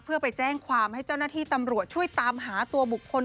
เพื่อไปแจ้งความให้เจ้าหน้าที่ตำรวจช่วยตามหาตัวบุคคล